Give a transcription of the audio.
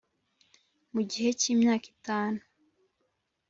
mu gihe cy’imyaka itanu